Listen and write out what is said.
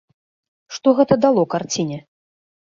Што гэта дало карціне?